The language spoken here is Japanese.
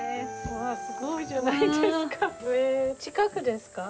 わあすごいじゃないですか。